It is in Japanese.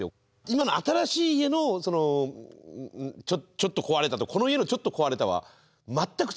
今の新しい家のちょっと壊れたとこの家のちょっと壊れたは全く違うわけで。